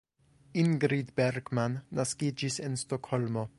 Ingrid Bergman naskiĝis en Stokholmo.